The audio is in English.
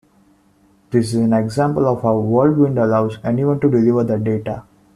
This is an example of how World Wind allows anyone to deliver their data.